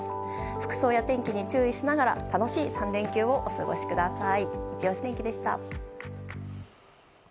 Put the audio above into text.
服装や天気に注意しながら楽しい３連休をお過ごしください。